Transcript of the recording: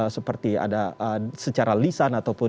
seperti ada secara lisan ataupun